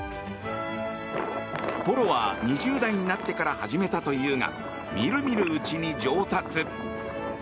ポロは２０代になってから始めたというがみるみるうちに上達。